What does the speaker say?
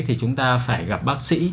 thì chúng ta phải gặp bác sĩ